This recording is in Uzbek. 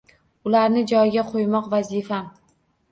Ularni joyiga qo’ymoq- vazifam.